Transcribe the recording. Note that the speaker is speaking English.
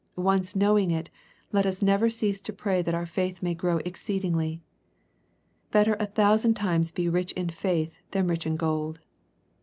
Once knowing it, let us never cease to pray that our faith may grow exceedingly. Better a thousand times be rich in faith than rich in gold.